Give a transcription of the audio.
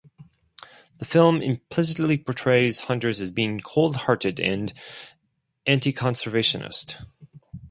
The film implicitly portrays hunters as being cold-hearted and anti-conservationist.